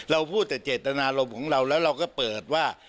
พูดแต่เจตนารมณ์ของเราแล้วเราก็เปิดว่า